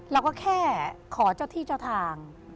เราก็แค่ขอเจ้าที่เจ้าทาง